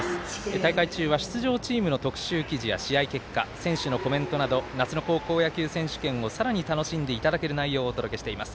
大会中は出場チームの特集記事試合結果、選手のコメントなど夏の高校野球選手権をさらに楽しんでいただける内容をお届けしています。